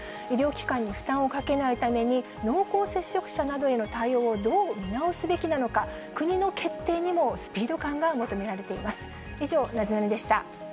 医療機関に負担をかけないために、濃厚接触者などへの対応をどう見直すべきなのか、国の決定にもスピード感が求められています。